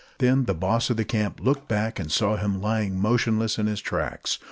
Then the boss of the camp looked back and saw him lying motionless in his tracks.